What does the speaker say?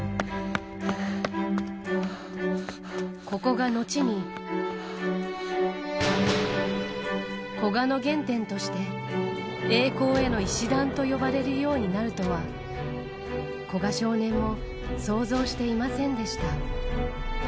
ここが後に、古賀の原点として、栄光への石段と呼ばれるようになるとは、古賀少年も、想像していませんでした。